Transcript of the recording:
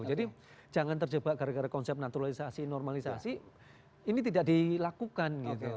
jadi jangan terjebak gara gara konsep naturalisasi normalisasi ini tidak dilakukan gitu